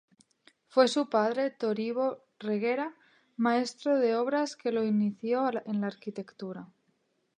Fue su padre Toribio Reguera, maestro de obras que lo inició en la arquitectura.